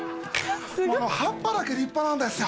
葉っぱだけ立派なんですよ。